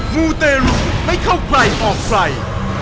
มูเตรุให้เข้าไกลออกไกล